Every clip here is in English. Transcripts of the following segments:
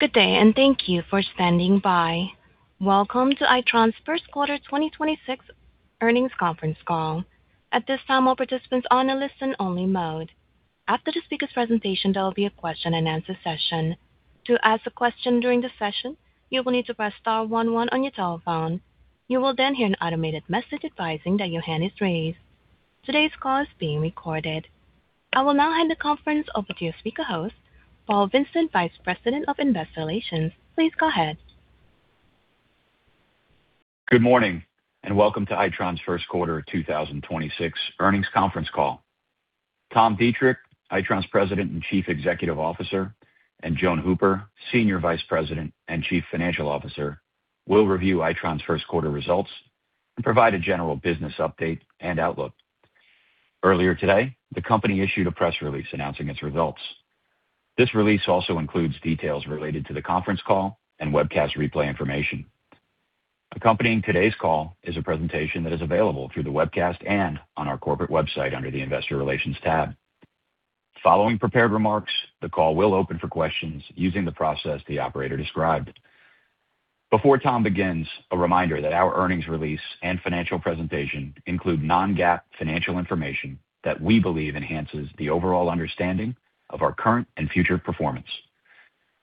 Good day, and thank you for standing by. Welcome to Itron's first quarter 2026 earnings conference call. At this time, all participants are on a listen-only mode. After the speaker's presentation, there will be a question-and-answer session. To ask a question during the session, you will need to press star one one on your telephone. You will then hear an automated message advising that your hand is raised. Today's call is being recorded. I will now hand the conference over to your speaker host, Paul Vincent, Vice President of Investor Relations. Please go ahead. Good morning, welcome to Itron's first quarter 2026 earnings conference call. Tom Deitrich, Itron's President and Chief Executive Officer, and Joan Hooper, Senior Vice President and Chief Financial Officer, will review Itron's first quarter results and provide a general business update and outlook. Earlier today, the company issued a press release announcing its results. This release also includes details related to the conference call and webcast replay information. Accompanying today's call is a presentation that is available through the webcast and on our corporate website under the Investor Relations tab. Following prepared remarks, the call will open for questions using the process the operator described. Before Tom begins, a reminder that our earnings release and financial presentation include non-GAAP financial information that we believe enhances the overall understanding of our current and future performance.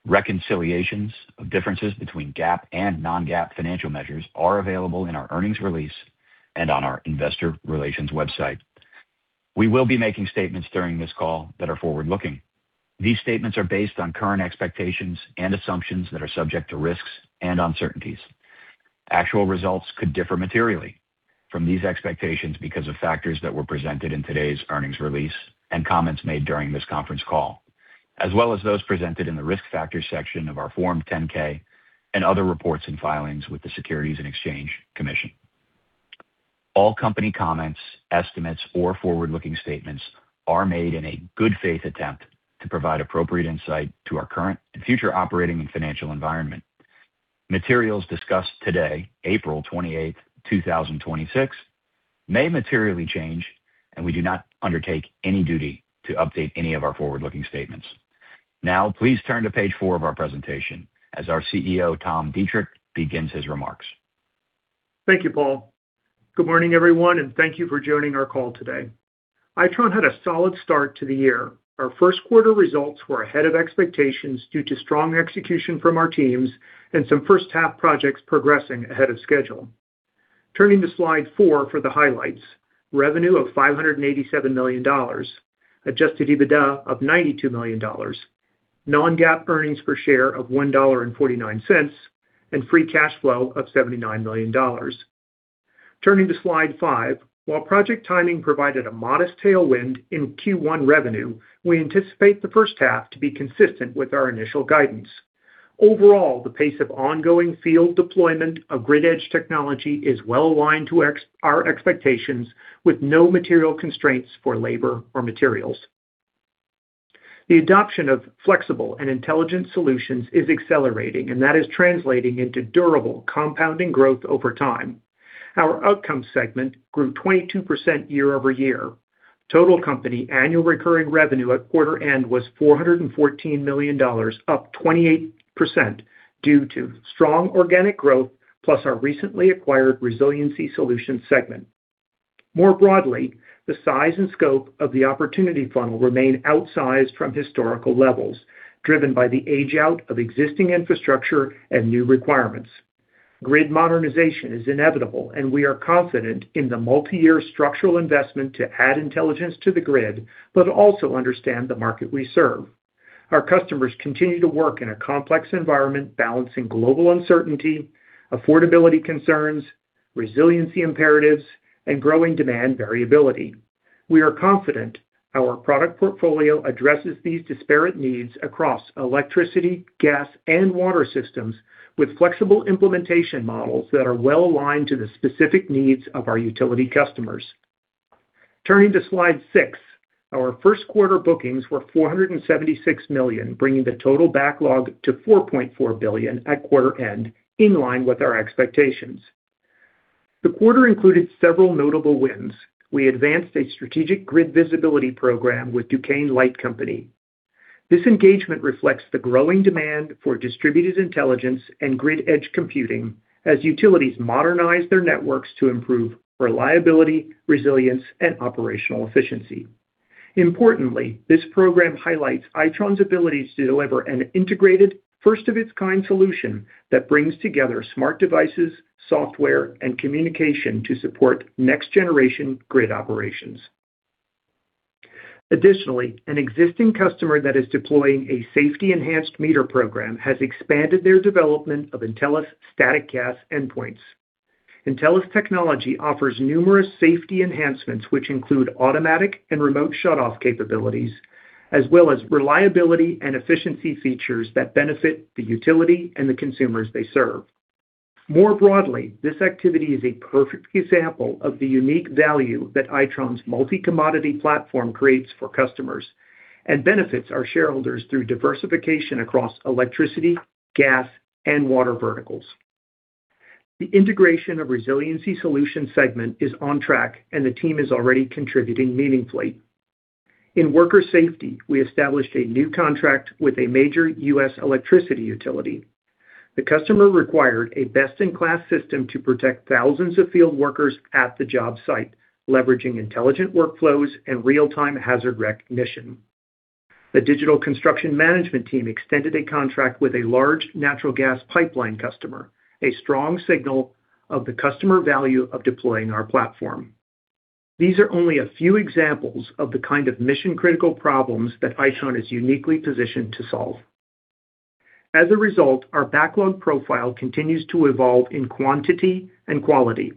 Reconciliations of differences between GAAP and non-GAAP financial measures are available in our earnings release and on our investor relations website. We will be making statements during this call that are forward-looking. These statements are based on current expectations and assumptions that are subject to risks and uncertainties. Actual results could differ materially from these expectations because of factors that were presented in today's earnings release and comments made during this conference call, as well as those presented in the Risk Factors section of our Form 10-K and other reports and filings with the Securities and Exchange Commission. All company comments, estimates or forward-looking statements are made in a good faith attempt to provide appropriate insight to our current and future operating and financial environment. Materials discussed today, April 28 2026, may materially change, and we do not undertake any duty to update any of our forward-looking statements. Now please turn to page 4 of our presentation as our CEO, Tom Deitrich, begins his remarks. Thank you, Paul. Good morning, everyone, and thank you for joining our call today. Itron had a solid start to the year. Our first quarter results were ahead of expectations due to strong execution from our teams and some first half projects progressing ahead of schedule. Turning to slide four for the highlights. Revenue of $587 million. Adjusted EBITDA of $92 million. Non-GAAP earnings per share of $1.49. Free cash flow of $79 million. Turning to slide five. While project timing provided a modest tailwind in Q1 revenue, we anticipate the first half to be consistent with our initial guidance. Overall, the pace of ongoing field deployment of grid edge technology is well aligned to our expectations with no material constraints for labor or materials. The adoption of flexible and intelligent solutions is accelerating, and that is translating into durable compounding growth over time. Our Outcomes segment grew 22% year-over-year. Total company annual recurring revenue at quarter end was $414 million, up 28% due to strong organic growth, plus our recently acquired Resiliency Solutions segment. More broadly, the size and scope of the opportunity funnel remain outsized from historical levels, driven by the age out of existing infrastructure and new requirements. Grid modernization is inevitable, and we are confident in the multi-year structural investment to add intelligence to the grid, but also understand the market we serve. Our customers continue to work in a complex environment balancing global uncertainty, affordability concerns, resiliency imperatives, and growing demand variability. We are confident our product portfolio addresses these disparate needs across electricity, gas, and water systems with flexible implementation models that are well aligned to the specific needs of our utility customers. Turning to slide six. Our first quarter bookings were $476 million, bringing the total backlog to $4.4 billion at quarter end, in line with our expectations. The quarter included several notable wins. We advanced a strategic grid visibility program with Duquesne Light Company. This engagement reflects the growing demand for distributed intelligence and grid edge computing as utilities modernize their networks to improve reliability, resilience, and operational efficiency. Importantly, this program highlights Itron's ability to deliver an integrated, first of its kind solution that brings together smart devices, software, and communication to support next-generation grid operations. Additionally, an existing customer that is deploying a safety-enhanced meter program has expanded their development of Intelis static gas endpoints. Intelis technology offers numerous safety enhancements, which include automatic and remote shutoff capabilities, as well as reliability and efficiency features that benefit the utility and the consumers they serve. More broadly, this activity is a perfect example of the unique value that Itron's multi-commodity platform creates for customers and benefits our shareholders through diversification across electricity, gas, and water verticals. The integration of Resiliency Solutions segment is on track, and the team is already contributing meaningfully. In worker safety, we established a new contract with a major U.S. electricity utility. The customer required a best-in-class system to protect thousands of field workers at the job site, leveraging intelligent workflows and real-time hazard recognition. The digital construction management team extended a contract with a large natural gas pipeline customer, a strong signal of the customer value of deploying our platform. These are only a few examples of the kind of mission-critical problems that Itron is uniquely positioned to solve. As a result, our backlog profile continues to evolve in quantity and quality.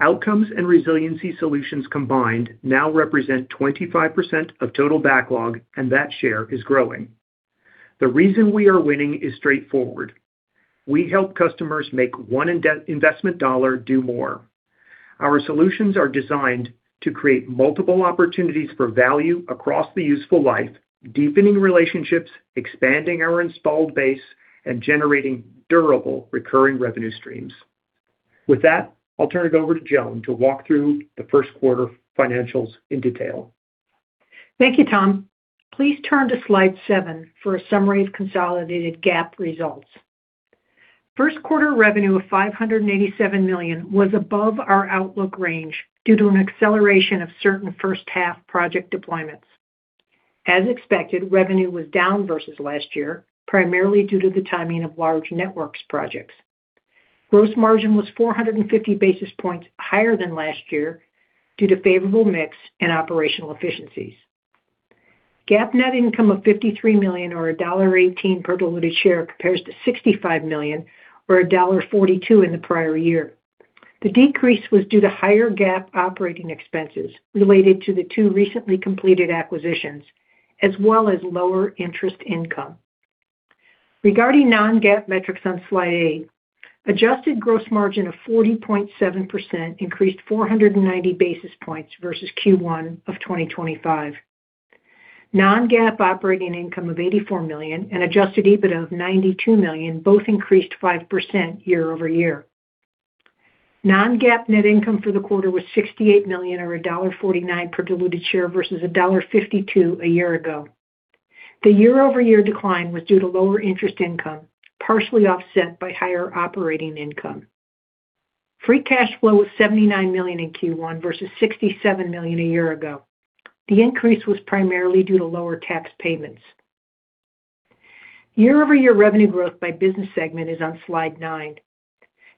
Outcomes and Resiliency Solutions combined now represent 25% of total backlog, and that share is growing. The reason we are winning is straightforward. We help customers make one investment dollar do more. Our solutions are designed to create multiple opportunities for value across the useful life, deepening relationships, expanding our installed base, and generating durable recurring revenue streams. With that, I'll turn it over to Joan to walk through the first quarter financials in detail. Thank you, Tom. Please turn to slide seven for a summary of consolidated GAAP results. First quarter revenue of $587 million was above our outlook range due to an acceleration of certain first half project deployments. As expected, revenue was down versus last year, primarily due to the timing of large Networks projects. Gross margin was 450 basis points higher than last year due to favorable mix and operational efficiencies. GAAP net income of $53 million or $1.18 per diluted share compares to $65 million or $1.42 in the prior year. The decrease was due to higher GAAP operating expenses related to the two recently completed acquisitions, as well as lower interest income. Regarding non-GAAP metrics on slide eight, adjusted gross margin of 40.7% increased 490 basis points versus Q1 of 2025. Non-GAAP operating income of $84 million and adjusted EBITDA of $92 million both increased 5% year-over-year. Non-GAAP net income for the quarter was $68 million or $1.49 per diluted share versus $1.52 a year ago. The year-over-year decline was due to lower interest income, partially offset by higher operating income. Free cash flow was $79 million in Q1 versus $67 million a year ago. The increase was primarily due to lower tax payments. Year-over-year revenue growth by business segment is on slide nine.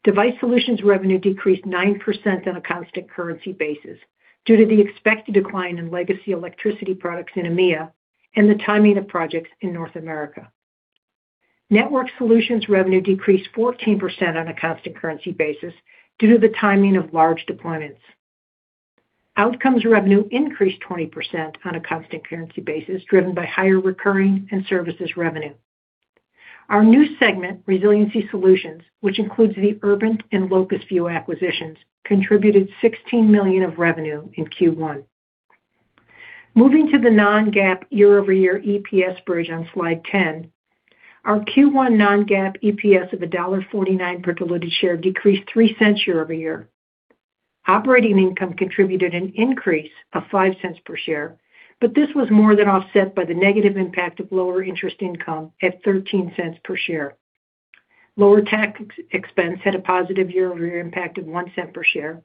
Device Solutions revenue decreased 9% on a constant-currency basis due to the expected decline in legacy electricity products in EMEA and the timing of projects in North America. Networked Solutions revenue decreased 14% on a constant-currency basis due to the timing of large deployments. Outcomes revenue increased 20% on a constant currency basis, driven by higher recurring and services revenue. Our new segment, Resiliency Solutions, which includes the Urbint and Locusview acquisitions, contributed $16 million of revenue in Q1. Moving to the non-GAAP year-over-year EPS version on slide 10, our Q1 non-GAAP EPS of $1.49 per diluted share decreased $0.03 year-over-year. Operating income contributed an increase of $0.05 per share, this was more than offset by the negative impact of lower interest income at $0.13 per share. Lower tax expense had a positive year-over-year impact of $0.01 per share,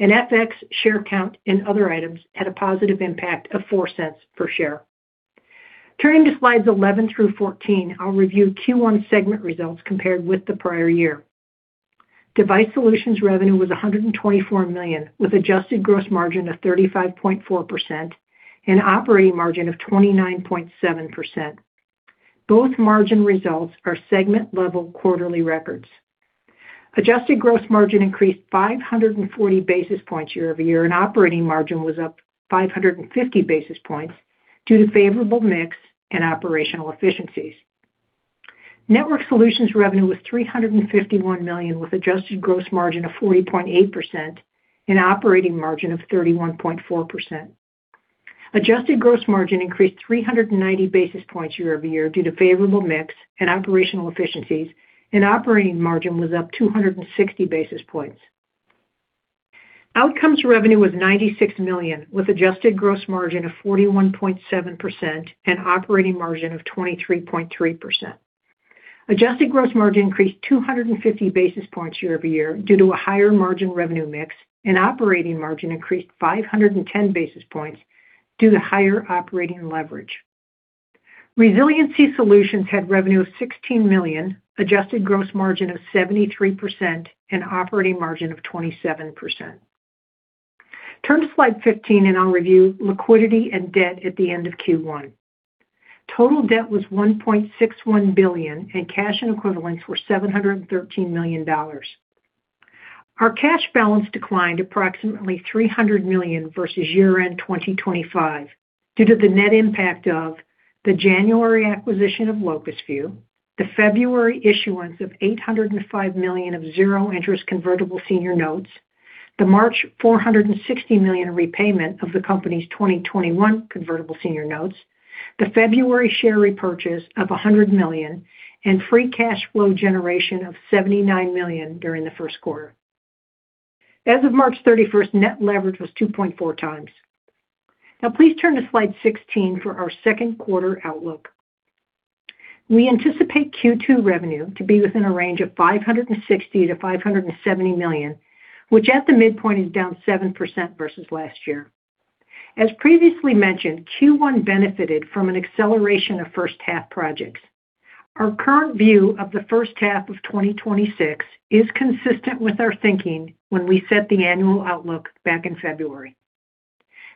FX share count and other items had a positive impact of $0.04 per share. Turning to slides 11 through 14, I'll review Q1 segment results compared with the prior year. Device Solutions revenue was $124 million, with adjusted gross margin of 35.4% and operating margin of 29.7%. Both margin results are segment-level quarterly records. Adjusted gross margin increased 540 basis points year-over-year, and operating margin was up 550 basis points due to favorable mix and operational efficiencies. Networked Solutions revenue was $351 million, with adjusted gross margin of 40.8% and operating margin of 31.4%. Adjusted gross margin increased 390 basis points year-over-year due to favorable mix and operational efficiencies, and operating margin was up 260 basis points. Outcomes revenue was $96 million, with adjusted gross margin of 41.7% and operating margin of 23.3%. Adjusted gross margin increased 250 basis points year-over-year due to a higher margin revenue mix. Operating margin increased 510 basis points due to higher operating leverage. Resiliency Solutions had revenue of $16 million, adjusted gross margin of 73%, and operating margin of 27%. Turn to slide 15 and I'll review liquidity and debt at the end of Q1. Total debt was $1.61 billion. Cash and equivalents were $713 million. Our cash balance declined approximately $300 million versus year-end 2025 due to the net impact of the January acquisition of Locusview, the February issuance of $805 million of zero-interest convertible senior notes, the March $460 million repayment of the company's 2021 convertible senior notes, the February share repurchase of $100 million, and free cash flow generation of $79 million during the first quarter. As of March 31st, net leverage was 2.4 times. Now please turn to slide 16 for our second quarter outlook. We anticipate Q2 revenue to be within a range of $560 million-$570 million, which at the midpoint is down 7% versus last year. As previously mentioned, Q1 benefited from an acceleration of first-half projects. Our current view of the first half of 2026 is consistent with our thinking when we set the annual outlook back in February.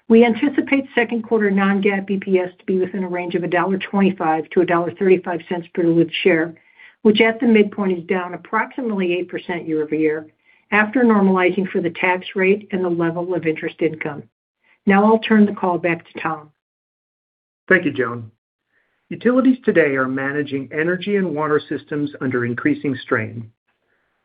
We anticipate 2Q non-GAAP EPS to be within a range of $1.25-$1.35 per diluted share, which at the midpoint is down approximately 8% year-over-year after normalizing for the tax rate and the level of interest income. Now I'll turn the call back to Tom. Thank you, Joan. Utilities today are managing energy and water systems under increasing strain.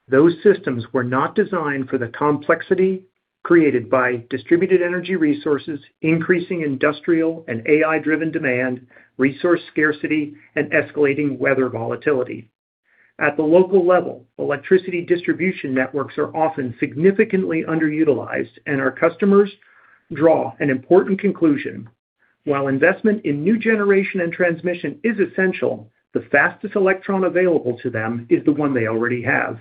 Those systems were not designed for the complexity created by distributed energy resources, increasing industrial and AI-driven demand, resource scarcity, and escalating weather volatility. At the local level, electricity distribution networks are often significantly underutilized, and our customers draw an important conclusion. While investment in new generation and transmission is essential, the fastest electron available to them is the one they already have.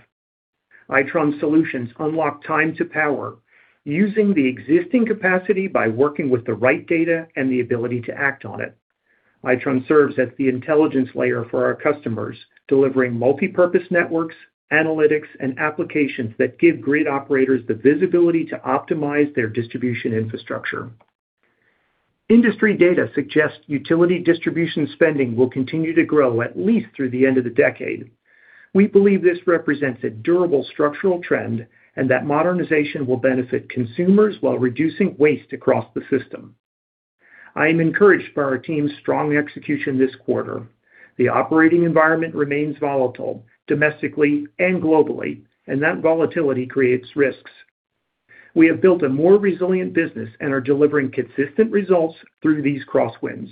Itron solutions unlock time to power using the existing capacity by working with the right data and the ability to act on it. Itron serves as the intelligence layer for our customers, delivering multipurpose networks, analytics, and applications that give grid operators the visibility to optimize their distribution infrastructure. Industry data suggests utility distribution spending will continue to grow at least through the end of the decade. We believe this represents a durable structural trend and that modernization will benefit consumers while reducing waste across the system. I am encouraged by our team's strong execution this quarter. The operating environment remains volatile domestically and globally, and that volatility creates risks. We have built a more resilient business and are delivering consistent results through these crosswinds.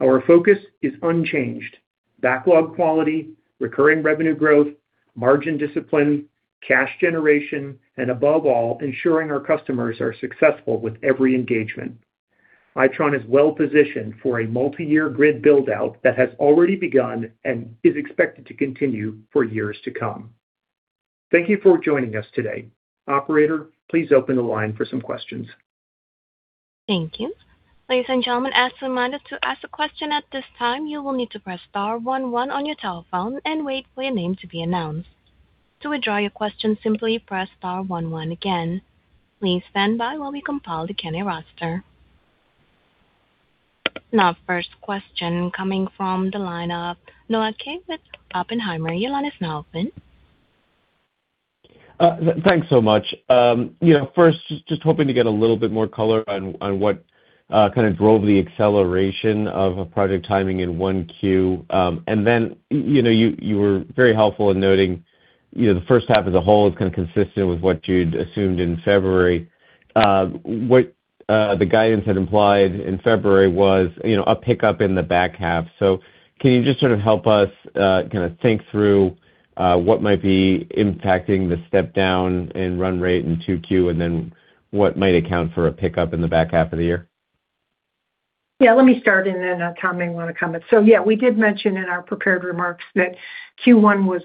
Our focus is unchanged. Backlog quality, recurring revenue growth, margin discipline, cash generation, and above all, ensuring our customers are successful with every engagement. Itron is well-positioned for a multiyear grid build-out that has already begun and is expected to continue for years to come. Thank you for joining us today. Operator, please open the line for some questions. Thank you. Ladies and gentlemen, as a reminder, to ask a question at this time, you will need to press star one one on your telephone and wait for your name to be announced. To withdraw your question, simply press star one one again. Please stand by while we compile the attendee roster. Now first question coming from the line of Noah Kaye with Oppenheimer. Your line is now open. Thanks so much. You know, first, just hoping to get a little bit more color on what kind of drove the acceleration of a project timing in Q1. You know, you were very helpful in noting, you know, the first half of the whole is kind of consistent with what you'd assumed in February. What the guidance had implied in February was, you know, a pickup in the back half. Can you just sort of help us kind of think through what might be impacting the step down in run rate in Q2, what might account for a pickup in the back half of the year? Let me start, and then Tom may want to comment. We did mention in our prepared remarks that Q1 was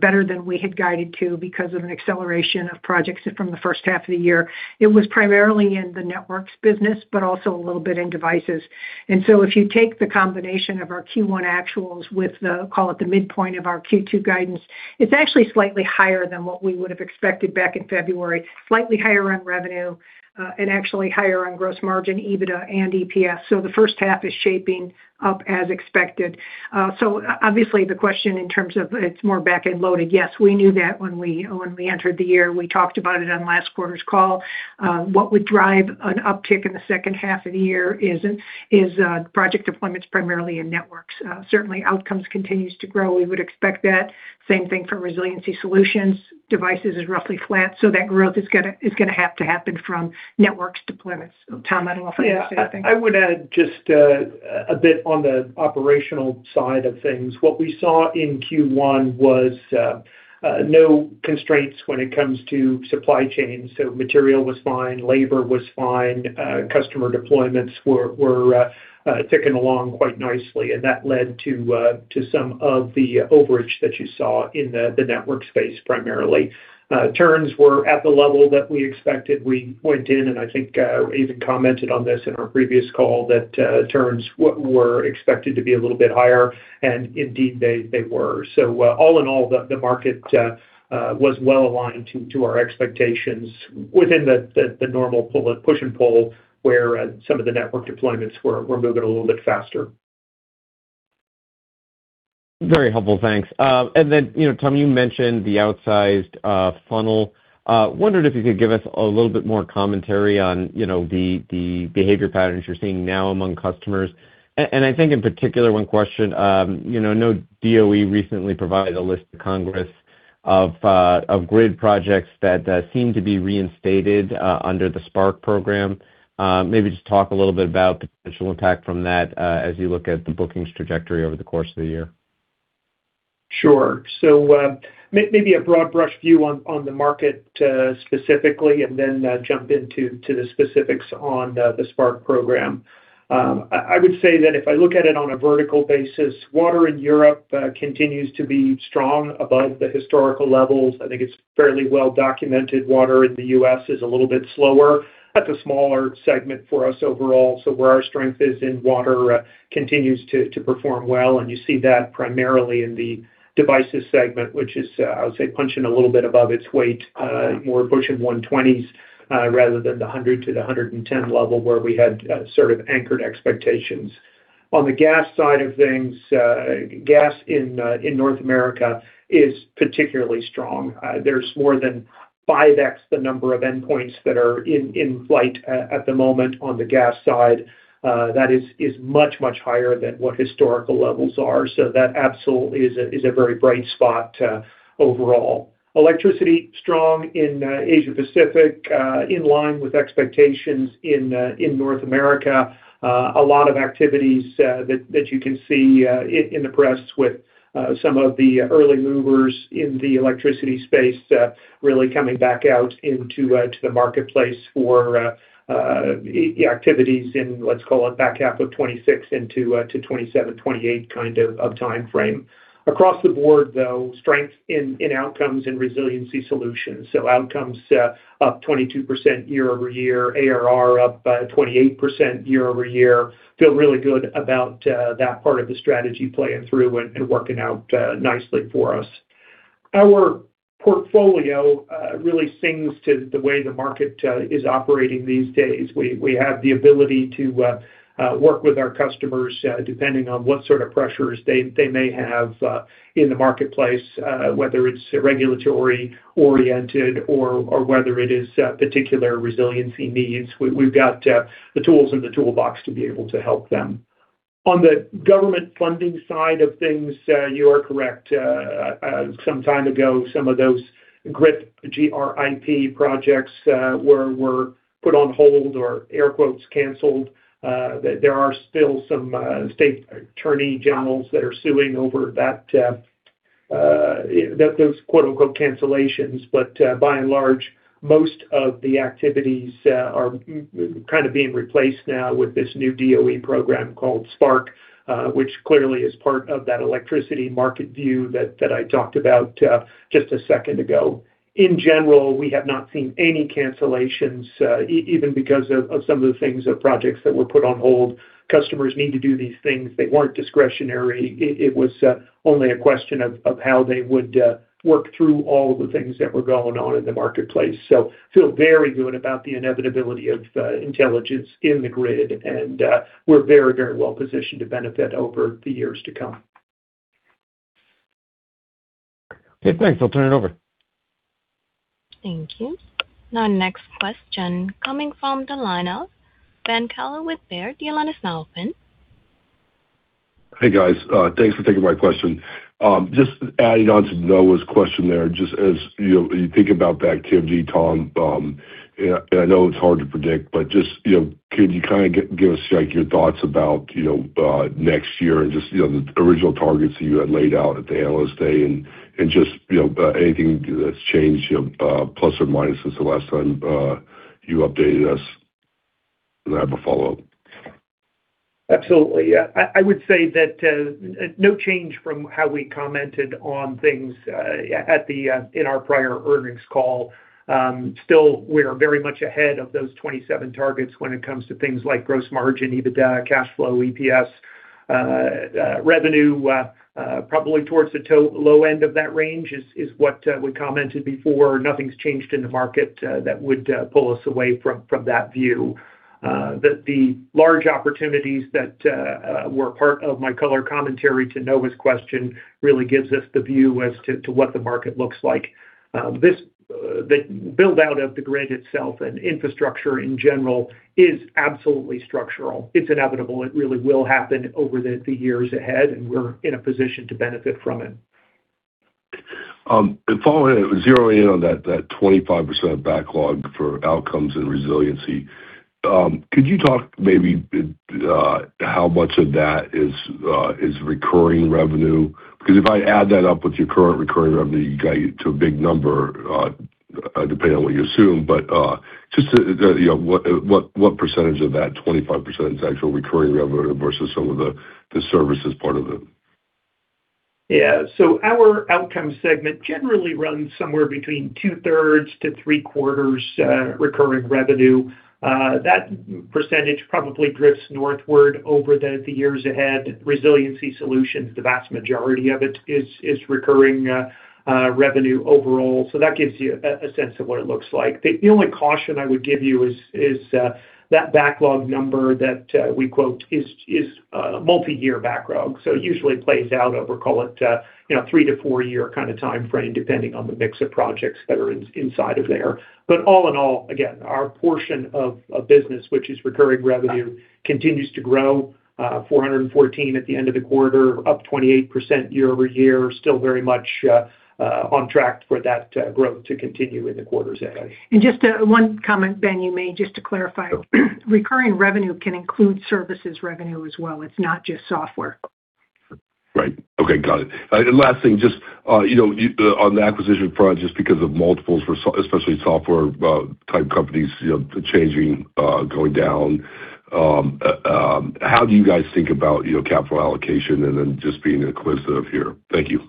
better than we had guided to because of an acceleration of projects from the first half of the year. It was primarily in the Networked Solutions business, but also a little bit in Device Solutions. If you take the combination of our Q1 actuals with the, call it the midpoint of our Q2 guidance, it's actually slightly higher than what we would have expected back in February, slightly higher on revenue, and actually higher on gross margin, EBITDA and EPS. The first half is shaping up as expected. Obviously, the question in terms of it's more back-end loaded, yes, we knew that when we entered the year. We talked about it on last quarter's call. What would drive an uptick in the second half of the year is project deployments primarily in Networks. Certainly Outcomes continues to grow. We would expect that. Same thing for Resiliency Solutions. Devices is roughly flat. That growth is gonna have to happen from Networks deployments. Tom, I don't know if you wanna say anything. I would add just a bit on the operational side of things. What we saw in 1Q was no constraints when it comes to supply chain. Material was fine, labor was fine, customer deployments were ticking along quite nicely, and that led to some of the overage that you saw in the network space primarily. Turns were at the level that we expected. We went in, and I think, even commented on this in our previous call, that turns were expected to be a little bit higher, and indeed they were. All in all, the market was well aligned to our expectations within the normal push and pull, where some of the network deployments were moving a little bit faster. Very helpful. Thanks. You know, Tom, you mentioned the outsized funnel. Wondered if you could give us a little bit more commentary on, you know, the behavior patterns you're seeing now among customers. I think in particular, one question, you know, I know DOE recently provided a list to Congress of grid projects that seem to be reinstated under the SPARK program. Maybe just talk a little bit about the potential impact from that as you look at the bookings trajectory over the course of the year. Sure. Maybe a broad brush view on the market specifically and then jump into the specifics on the SPARK program. I would say that if I look at it on a vertical basis, water in Europe continues to be strong above the historical levels. I think it's fairly well documented. Water in the U.S. is a little bit slower. That's a smaller segment for us overall. Where our strength is in water continues to perform well, and you see that primarily in the devices segment, which is I would say punching a little bit above its weight, more pushing 120s, rather than the 100 to the 110 level where we had sort of anchored expectations. On the gas side of things, gas in North America is particularly strong. There's more than 5x the number of endpoints that are in flight at the moment on the gas side. That is much higher than what historical levels are. That absolutely is a very bright spot overall. Electricity, strong in Asia Pacific, in line with expectations in North America. A lot of activities that you can see in the press with some of the early movers in the electricity space really coming back out into the marketplace for activities in, let's call it back half of 2026 into 2027, 2028 kind of timeframe. Across the board, though, strength in Outcomes and Resiliency Solutions. Outcomes, up 22% year-over-year, ARR up 28% year-over-year. Feel really good about that part of the strategy playing through and working out nicely for us. Our portfolio really sings to the way the market is operating these days. We have the ability to work with our customers depending on what sort of pressures they may have in the marketplace, whether it's regulatory oriented or whether it is particular Resiliency Solutions needs. We've got the tools in the toolbox to be able to help them. On the government funding side of things, you are correct. Some time ago, some of those GRIP, G-R-I-P projects, were put on hold or air quotes canceled. There are still some state attorney generals that are suing over that those quote-unquote cancellations. By and large, most of the activities are kind of being replaced now with this new DOE program called SPARK, which clearly is part of that electricity market view that I talked about just a second ago. In general, we have not seen any cancellations, even because of some of the things or projects that were put on hold. Customers need to do these things. They weren't discretionary. It was only a question of how they would work through all of the things that were going on in the marketplace. Feel very good about the inevitability of intelligence in the grid and we're very, very well positioned to benefit over the years to come. Okay, thanks. I'll turn it over. Thank you. Our next question coming from the line of Ben Kallo with Baird. Your line is now open. Hey, guys. Thanks for taking my question. Just adding on to Noah's question there, just as, you know, you think about the activity, Tom, and I know it's hard to predict, but just, you know, can you kind of give us like your thoughts about, you know, next year and just, you know, the original targets you had laid out at the Analyst Day and just, you know, anything that's changed, you know, plus or minus since the last time you updated us? I have a follow-up. Absolutely. Yeah. I would say that no change from how we commented on things at the in our prior earnings call. Still, we are very much ahead of those 2027 targets when it comes to things like gross margin, EBITDA, cash flow, EPS. Revenue, probably towards the low end of that range is what we commented before. Nothing's changed in the market that would pull us away from that view. The large opportunities that were part of my color commentary to Noah Kaye's question really gives us the view as to what the market looks like. The build-out of the grid itself and infrastructure in general is absolutely structural. It's inevitable. It really will happen over the years ahead, and we're in a position to benefit from it. Following, zeroing in on that 25% backlog for Outcomes and Resiliency, could you talk maybe, how much of that is recurring revenue? Because if I add that up with your current recurring revenue, you got to a big number, depending on what you assume. Just, you know, what percentage of that 25% is actual recurring revenue versus some of the services part of it? Yeah. Our Outcomes segment generally runs somewhere between two-thirds to three-quarters recurring revenue. That percentage probably drifts northward over the years ahead. Resiliency Solutions, the vast majority of it is recurring revenue overall. That gives you a sense of what it looks like. The only caution I would give you is that backlog number that we quote is a multi-year backlog. It usually plays out over, call it, you know, three to four year kind of timeframe, depending on the mix of projects that are inside of there. All in all, again, our portion of a business which is recurring revenue continues to grow, $414 at the end of the quarter, up 28% year-over-year. Still very much on track for that growth to continue in the quarters ahead. Just, one comment, Ben Kallo, you made, just to clarify. Recurring revenue can include services revenue as well. It's not just software. Right. Okay. Got it. Last thing, just, you know, on the acquisition front, just because of multiples for especially software type companies, you know, changing, going down, how do you guys think about, you know, capital allocation and then just being inquisitive here? Thank you.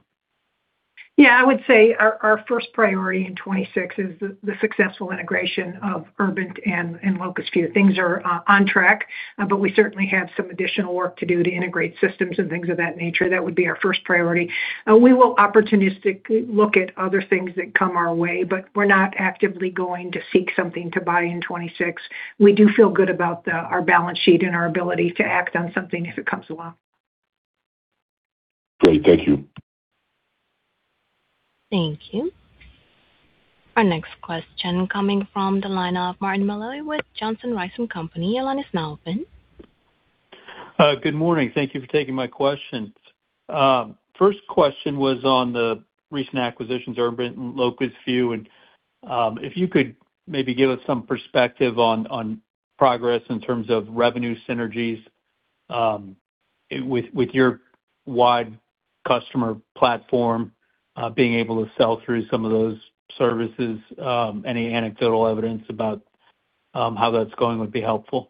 Yeah. I would say our first priority in 2026 is the successful integration of Urbint and Locusview. Things are on track, but we certainly have some additional work to do to integrate systems and things of that nature. That would be our first priority. We will opportunistically look at other things that come our way, but we're not actively going to seek something to buy in 2026. We do feel good about our balance sheet and our ability to act on something if it comes along. Great. Thank you. Thank you. Our next question coming from the line of Martin Miller with Johnson Rice & Company. Your line is now open. Good morning. Thank you for taking my questions. First question was on the recent acquisitions, Urbint and Locusview. If you could maybe give us some perspective on progress in terms of revenue synergies with your wide customer platform, being able to sell through some of those services. Any anecdotal evidence about how that's going would be helpful.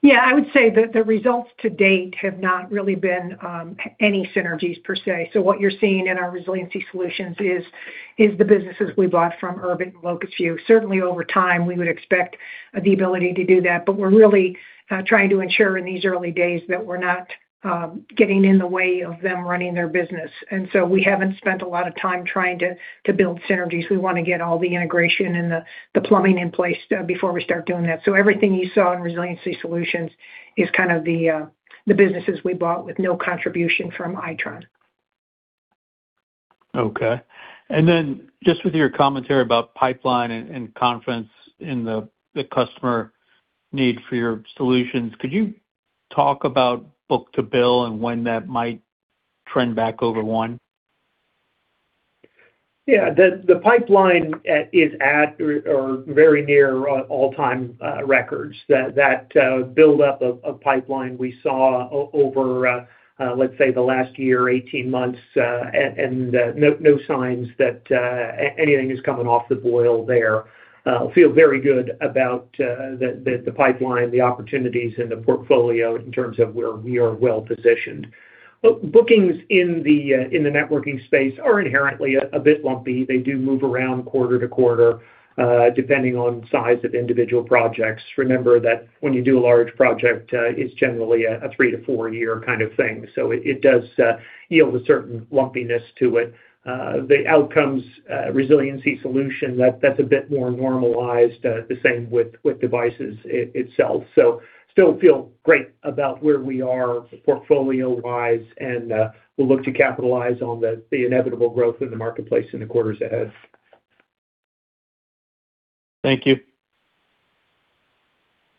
Yeah. I would say that the results to date have not really been any synergies per se. What you're seeing in our Resiliency Solutions is the businesses we bought from Urbint and Locusview. Certainly over time, we would expect the ability to do that. We're really trying to ensure in these early days that we're not getting in the way of them running their business. We haven't spent a lot of time trying to build synergies. We wanna get all the integration and the plumbing in place before we start doing that. Everything you saw in Resiliency Solutions is kind of the businesses we bought with no contribution from Itron. Okay. Just with your commentary about pipeline and confidence in the customer need for your solutions, could you talk about book-to-bill and when that might trend back over one? The pipeline is at or very near all-time records. That buildup of pipeline we saw over, let's say, the last year, 18 months, and no signs that anything is coming off the boil there. Feel very good about the pipeline, the opportunities in the portfolio in terms of where we are well-positioned. Bookings in the networking space are inherently a bit lumpy. They do move around quarter to quarter, depending on size of individual projects. Remember that when you do a large project, it's generally a 3 to 4-year kind of thing. It does yield a certain lumpiness to it. The Outcomes Resiliency Solutions, that's a bit more normalized, the same with devices itself. Still feel great about where we are portfolio-wise, and we'll look to capitalize on the inevitable growth in the marketplace in the quarters ahead. Thank you.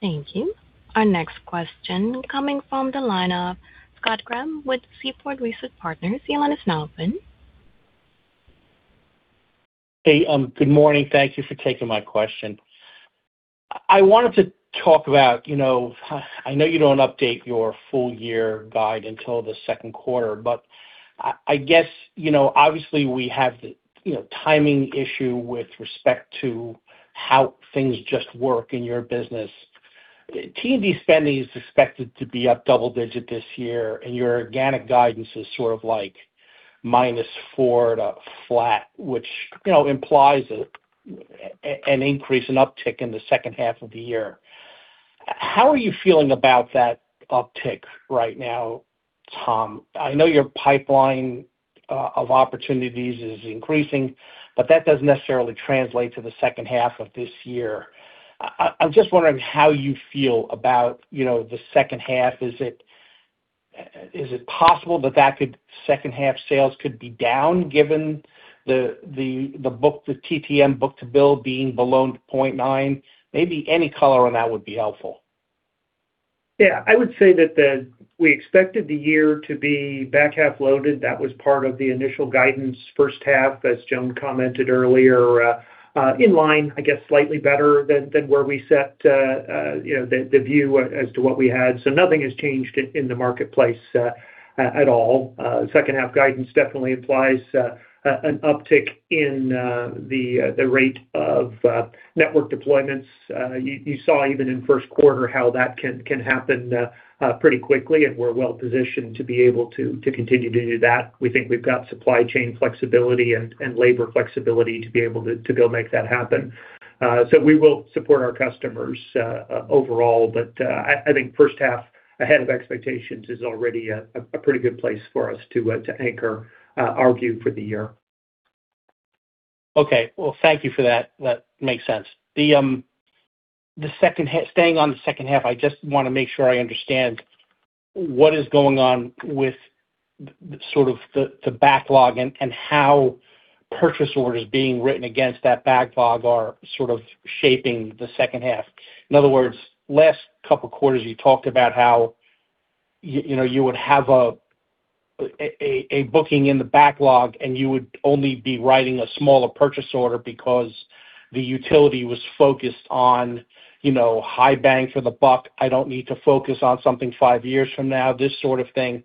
Thank you. Our next question coming from the line of Scott Graham with Seaport Research Partners. Your line is now open. Hey. Good morning. Thank you for taking my question. I wanted to talk about, you know, I know you don't update your full year guide until the second quarter, but I guess, you know, obviously we have the, you know, timing issue with respect to how things just work in your business. T&D spending is expected to be up double-digit this year, and your organic guidance is sort of like -4% to flat, which, you know, implies an increase in uptick in the second half of the year. How are you feeling about that uptick right now, Tom? I know your pipeline of opportunities is increasing, but that doesn't necessarily translate to the second half of this year. I'm just wondering how you feel about, you know, the second half. Is it possible that second half sales could be down given the TTM book-to-bill being below 0.9? Maybe any color on that would be helpful. I would say that we expected the year to be back half loaded. That was part of the initial guidance first half, as Joan commented earlier, in line, I guess, slightly better than where we set, you know, the view as to what we had. Nothing has changed in the marketplace at all. Second half guidance definitely implies an uptick in the rate of network deployments. You saw even in first quarter how that can happen pretty quickly, and we're well-positioned to be able to continue to do that. We think we've got supply chain flexibility and labor flexibility to be able to go make that happen. We will support our customers overall, I think first half ahead of expectations is already a pretty good place for us to anchor our view for the year. Okay. Well, thank you for that. That makes sense. The, staying on the second half, I just want to make sure I understand what is going on with sort of the backlog and how purchase orders being written against that backlog are sort of shaping the second half. In other words, last couple quarters you talked about how you know, you would have a booking in the backlog, and you would only be writing a smaller purchase order because the utility was focused on, you know, high bang for the buck. I don't need to focus on something 5 years from now, this sort of thing.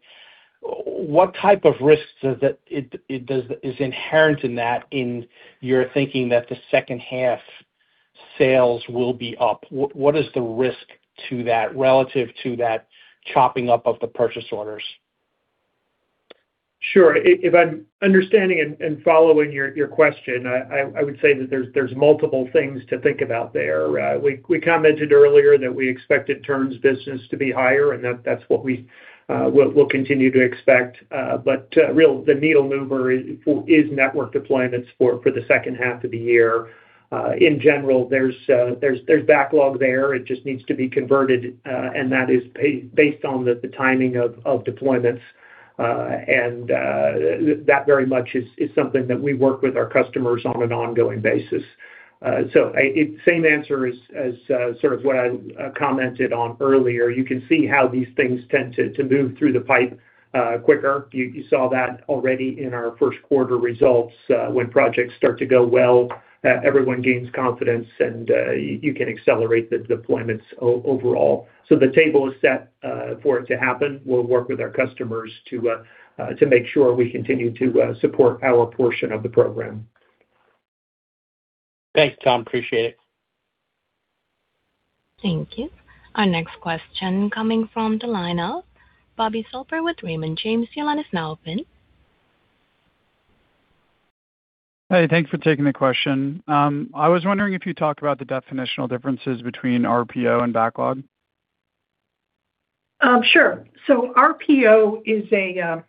What type of risks is inherent in that in your thinking that the second half sales will be up? What is the risk to that relative to that chopping up of the purchase orders? Sure. If I'm understanding and following your question, I would say that there's multiple things to think about there. We commented earlier that we expected Itron's business to be higher, and that's what we will continue to expect. The needle mover is network deployments for the second half of the year. In general, there's backlog there. It just needs to be converted, and that is based on the timing of deployments. That very much is something that we work with our customers on an ongoing basis. So same answer as sort of what I commented on earlier. You can see how these things tend to move through the pipe quicker. You saw that already in our first quarter results, when projects start to go well, everyone gains confidence and you can accelerate the deployments overall. The table is set for it to happen. We'll work with our customers to make sure we continue to support our portion of the program. Thanks, Tom. Appreciate it. Thank you. Our next question coming from the line of Bobby Zolper with Raymond James. Your line is now open. Hey, thanks for taking the question. I was wondering if you talked about the definitional differences between RPO and backlog? Sure. RPO is a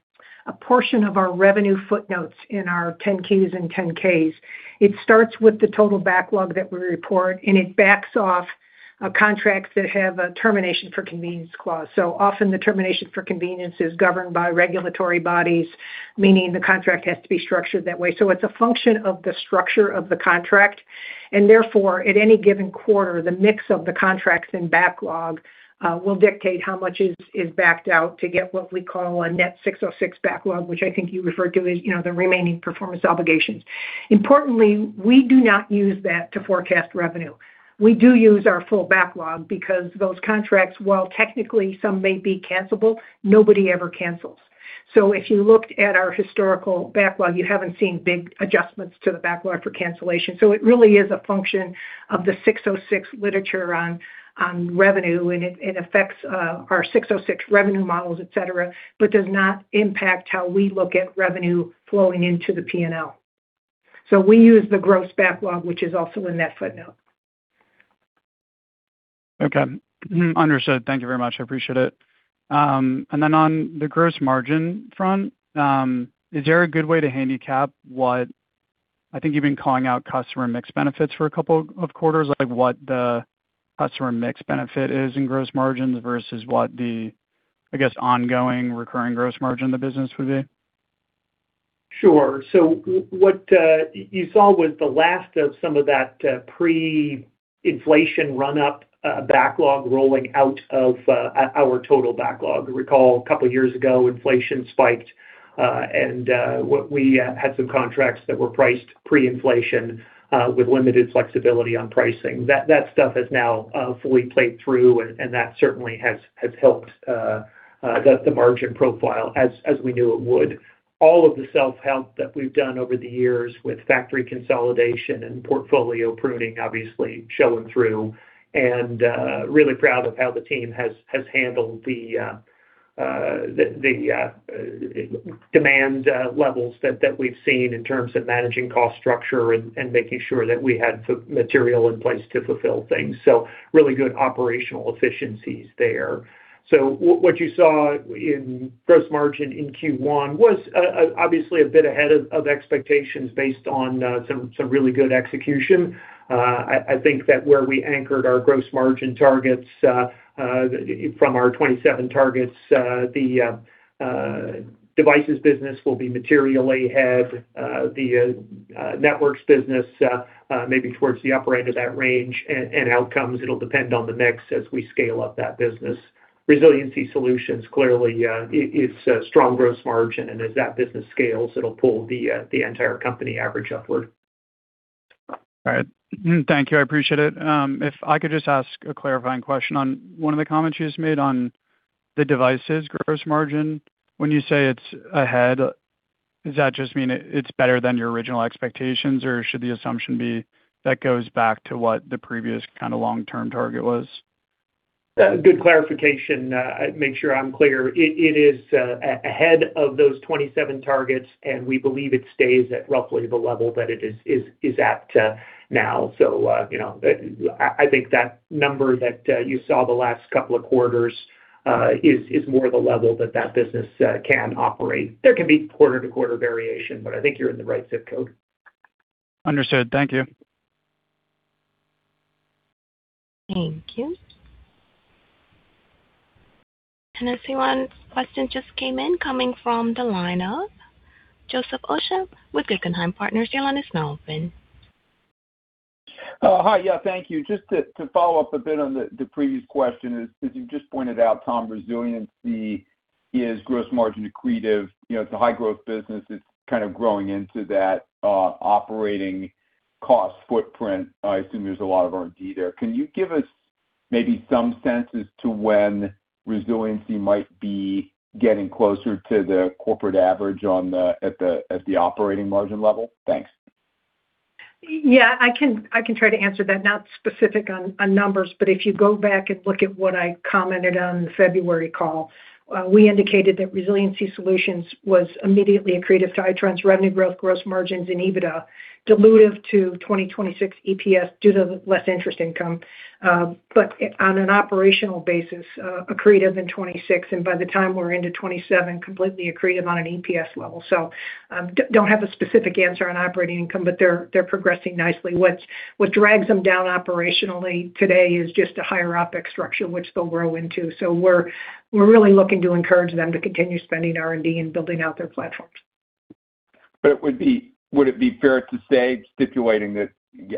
portion of our revenue footnotes in our 10-K and 10-Q. It starts with the total backlog that we report, it backs off contracts that have a termination for convenience clause. Often the termination for convenience is governed by regulatory bodies, meaning the contract has to be structured that way. It's a function of the structure of the contract, and therefore, at any given quarter, the mix of the contracts in backlog will dictate how much is backed out to get what we call a net 606 backlog, which I think you referred to as, you know, the remaining performance obligations. Importantly, we do not use that to forecast revenue. We do use our full backlog because those contracts, while technically some may be cancelable, nobody ever cancels. If you looked at our historical backlog, you haven't seen big adjustments to the backlog for cancellation. It really is a function of the 606 literature on revenue, and it affects our 606 revenue models, etc, but does not impact how we look at revenue flowing into the P&L. We use the gross backlog, which is also in that footnote. Okay. Understood. Thank you very much. I appreciate it. Then on the gross margin front, is there a good way to handicap what I think you've been calling out customer mix benefits for a couple of quarters, like what the customer mix benefit is in gross margins versus what the, I guess, ongoing recurring gross margin of the business would be? Sure. What you saw was the last of some of that pre-inflation run up backlog rolling out of our total backlog. Recall a couple of years ago, inflation spiked, and what we had some contracts that were priced pre-inflation with limited flexibility on pricing. That stuff is now fully played through, and that certainly has helped the margin profile as we knew it would. All of the self-help that we've done over the years with factory consolidation and portfolio pruning obviously showing through. Really proud of how the team has handled the demand levels that we've seen in terms of managing cost structure and making sure that we had material in place to fulfill things. Really good operational efficiencies there. What you saw in gross margin in Q1 was obviously a bit ahead of expectations based on some really good execution. I think that where we anchored our gross margin targets from our 2027 targets, the Device Solutions business will be materially ahead, the Networked Solutions business maybe towards the upper end of that range, and Outcomes, it'll depend on the mix as we scale up that business. Resiliency Solutions, clearly, it's a strong gross margin, and as that business scales, it'll pull the entire company average upward. All right. Thank you. I appreciate it. If I could just ask a clarifying question on one of the comments you just made on the Devices gross margin. When you say it's ahead, does that just mean it's better than your original expectations, or should the assumption be that goes back to what the previous kind of long-term target was? Good clarification. Make sure I'm clear. It is ahead of those 27 targets, and we believe it stays at roughly the level that it is at now. You know, I think that number that you saw the last couple of quarters is more the level that that business can operate. There can be quarter-to-quarter variation, but I think you're in the right zip code. Understood. Thank you. Thank you. The next one's question just came in coming from the line of Joseph Osha with Guggenheim Partners. Oh, hi. Yeah, thank you. Just to follow up a bit on the previous question is, as you just pointed out, Tom, Resiliency is gross margin accretive. You know, it's a high-growth business. It's kind of growing into that operating cost footprint. I assume there's a lot of R&D there. Can you give us maybe some sense as to when Resiliency might be getting closer to the corporate average on the operating margin level? Thanks. Yeah, I can try to answer that. Not specific on numbers, but if you go back and look at what I commented on in the February call, we indicated that Resiliency Solutions was immediately accretive to Itron's revenue growth, gross margins in EBITDA, dilutive to 2026 EPS due to less interest income. On an operational basis, accretive in 26, and by the time we're into 27, completely accretive on an EPS level. Don't have a specific answer on operating income, but they're progressing nicely. What drags them down operationally today is just a higher OpEx structure, which they'll grow into. We're really looking to encourage them to continue spending R&D and building out their platforms. Would it be fair to say, stipulating that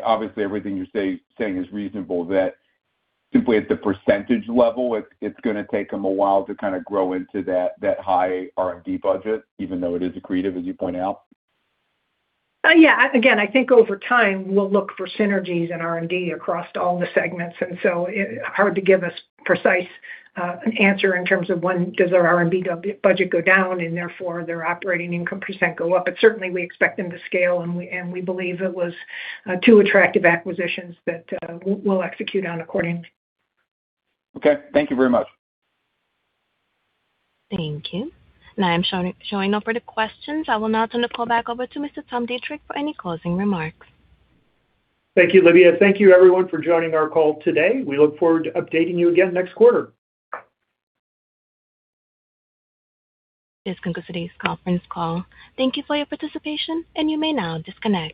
obviously everything you say, saying is reasonable, that simply at the percentage level, it's gonna take them a while to kinda grow into that high R&D budget, even though it is accretive, as you point out? Yeah. Again, I think over time, we'll look for synergies in R&D across all the segments. Hard to give a precise answer in terms of when does our R&D budget go down and therefore their operating income % go up. Certainly, we expect them to scale, and we believe it was two attractive acquisitions that we'll execute on accordingly. Okay. Thank you very much. Thank you. Now I'm showing no further questions. I will now turn the call back over to Mr. Tom Deitrich for any closing remarks. Thank you, Olivia. Thank you everyone for joining our call today. We look forward to updating you again next quarter. This concludes today's conference call. Thank you for your participation, and you may now disconnect.